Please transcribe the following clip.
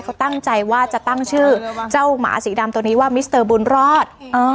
เขาตั้งใจว่าจะตั้งชื่อเจ้าหมาสีดำตัวนี้ว่ามิสเตอร์บุญรอด